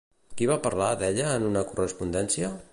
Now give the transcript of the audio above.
Qui va parlar d'ella en una correspondència?